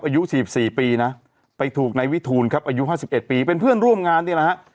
อายุ๔๔ปีนะไปถูกนายวิทูลครับอายุ๕๑ปีเป็นเพื่อนร่วมงานนี่แหละฮะ